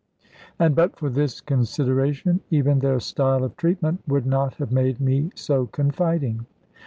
And but for this consideration, even their style of treatment would not have made me so confiding.